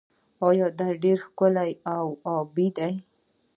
دا ډیره ښکلې او ابي ده.